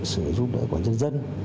sự giúp đỡ của nhân dân